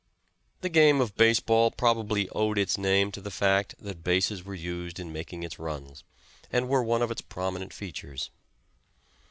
The game of base ball probably owed its name to the fact that bases were used in making its runs, and were one of its prominent features.